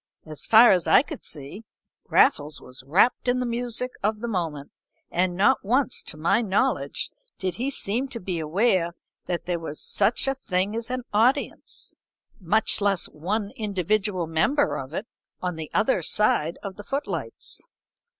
As far as I could see, Raffles was wrapt in the music of the moment, and not once, to my knowledge, did he seem to be aware that there was such a thing as an audience, much less one individual member of it, on the other side of the footlights.